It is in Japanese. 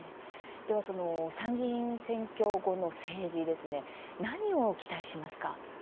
参議院選挙後の政治ですね何を期待しますか。